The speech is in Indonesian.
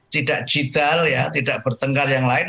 tidak jidal ya tidak bertengkar yang lain